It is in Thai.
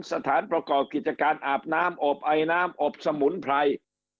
สถานประกอบกิจการอาบน้ำอบไอน้ำอบสมุนไพร